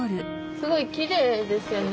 すごいきれいですよね！